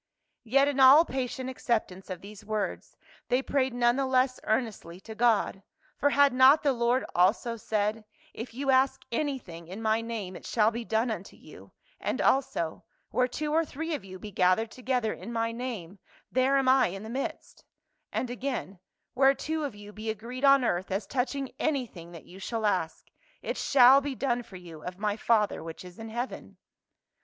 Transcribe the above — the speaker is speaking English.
Yet in all patient acceptance of these words they prayed none the less earnestly to God ; for had not the Lord also said, " If ye ask anything in my name it shall be done unto you," and also, "Where two or three of you be gathered together in my name there am I in the midst," and again, "Where two of you be agreed on earth as touching anything that you shall ask, it shall be done for you of my Father which is in heaven."